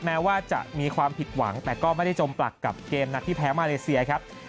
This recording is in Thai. แม้ว่าจะมีความผิดหวังแต่ก็ไม่ได้จมปลักกับเกมนัดที่แพ้มาเลเซียครับ